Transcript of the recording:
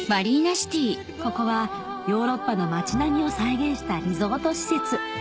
ここはヨーロッパの町並みを再現したリゾート施設